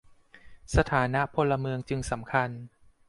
สถานะพลเมืองจึงสำคัญ